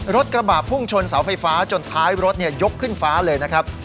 กระบะพุ่งชนเสาไฟฟ้าจนท้ายรถยกขึ้นฟ้าเลยนะครับ